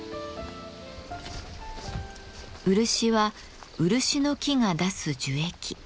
漆は漆の木が出す樹液。